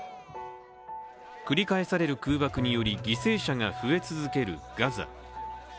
繰り返される空爆により犠牲者が増え続けるガザ。